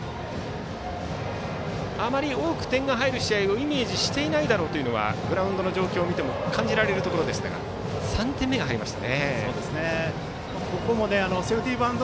あまり多く点が入る試合をイメージしていないだろうとはグラウンドの状況を見ても感じられるところでしたが３点目が入りました。